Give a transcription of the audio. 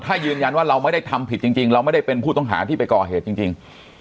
ถ้ายืนยันว่าเราไม่ได้ทำผิดจริงเราไม่ได้เป็นผู้ต้องหาที่ไปก่อเหตุจริง